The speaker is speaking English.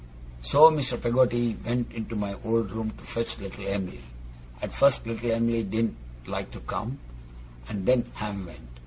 So Mr. Peggotty went into my old room to fetch little Em'ly. At first little Em'ly didn't like to come, and then Ham went.